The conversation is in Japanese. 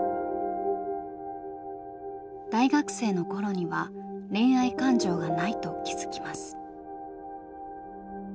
大学生の頃には恋愛感情がないと気付きます。